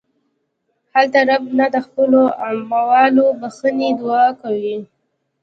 هلته رب نه د خپلو اعمالو د بښنې دعا کوئ.